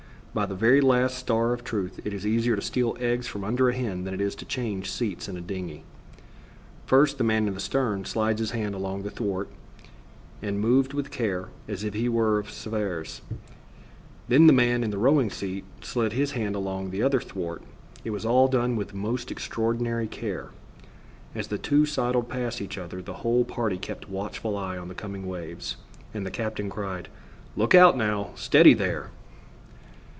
By the very last star of truth, it is easier to steal eggs from under a hen than it was to change seats in the dingey. First the man in the stern slid his hand along the thwart and moved with care, as if he were of Sèvres. Then the man in the rowing seat slid his hand along the other thwart. It was all done with most extraordinary care. As the two sidled past each other, the whole party kept watchful eyes on the coming wave, and the captain cried: "Look out now! Steady there!"